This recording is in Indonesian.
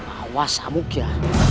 awas amuk ya